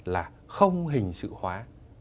là không hình sự hóa